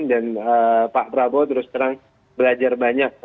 dan pak prabowo terus terang belajar banyak